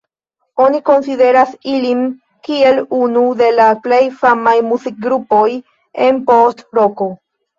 Oni konsideras ilin kiel unu de la plej famaj muzikgrupoj en post-roko.